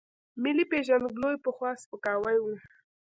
ملي پېژندګلوۍ پخوا سپکاوی و.